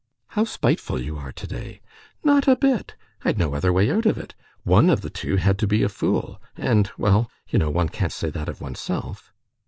"How spiteful you are today!" "Not a bit. I'd no other way out of it. One of the two had to be a fool. And, well, you know one can't say that of oneself."